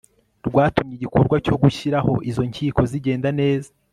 rwatumye igikorwa cyo gushyiraho izo nkiko zigenda neza